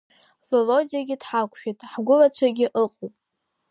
Володиагьы дҳақәшәеит, ҳгәылацәагьы ыҟоуп.